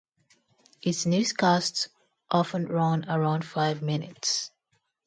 Its newscasts often run around five minutes.